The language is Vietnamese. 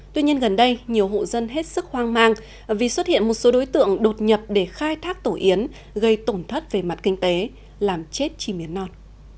tuy nhiên gần đây nhiều hộ dân hết sức hoang mang vì xuất hiện một số đối tượng đột nhập để khai thác tổ yến gây tổn thất về mặt kinh tế làm chết chim yến non